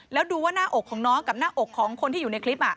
แล้วดูว่าหน้าอกของน้องกับหน้าอกของคนที่อยู่ในคลิป